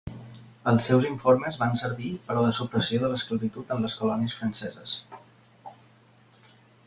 Els seus informes van servir per a la supressió de l'esclavitud en les colònies franceses.